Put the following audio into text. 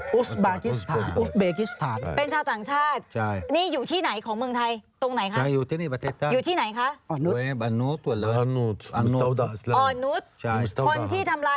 เดี๋ยวนี้กลายเป็นขยายผลแล้วนะคะเดี๋ยวนะ